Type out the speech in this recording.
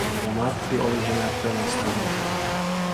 Ja Martti oli heidät pelastanut.